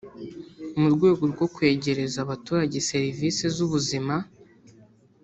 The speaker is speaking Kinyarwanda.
mu rwego rwo kwegereza abaturage serivisi z’ubuzima